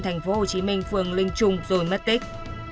thành phố hồ chí minh phường linh trung rồi mất tích